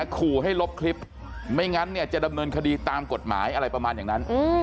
ขู่ให้ลบคลิปไม่งั้นเนี่ยจะดำเนินคดีตามกฎหมายอะไรประมาณอย่างนั้น